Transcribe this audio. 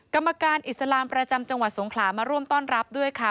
กรรมการอิสลามประจำจังหวัดสงขลามาร่วมต้อนรับด้วยค่ะ